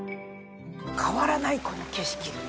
変わらないこの景色。